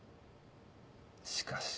しかし。